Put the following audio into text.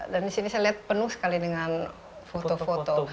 dan disini saya lihat penuh sekali dengan foto foto